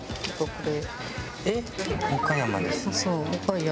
これ？